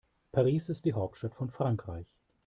Paris ist die Hauptstadt von Frankreich.